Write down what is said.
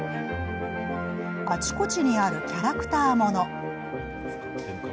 あちこちにあるキャラクターもの。